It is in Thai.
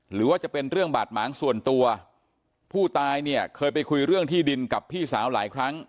หรือว่าจะเป็นเรื่องบาดหมางส่วนตัวผู้ตายเนี่ยเคยไปคุยเรื่องที่ดินกับพี่สาวหลายครั้ง